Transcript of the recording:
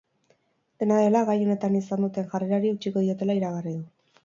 Dena dela, gai honetan izan duten jarrerari eutsiko diotela iragarri du.